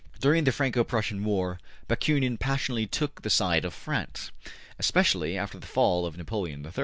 During the Franco Prussian war Bakunin passionately took the side of France, especially after the fall of Napoleon III.